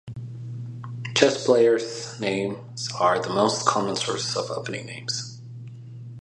Chess players' names are the most common sources of opening names.